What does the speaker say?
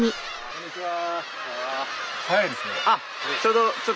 こんにちは。